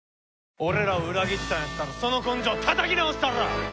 俺らを裏切ったんやったらその根性叩き直したるわ！